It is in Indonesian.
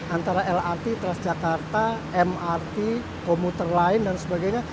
antara lrt kelas jakarta mrt komuter lain dan sebagainya